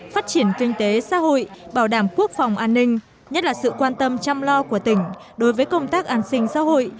phát triển kinh tế xã hội bảo đảm quốc phòng an ninh nhất là sự quan tâm chăm lo của tỉnh đối với công tác an sinh xã hội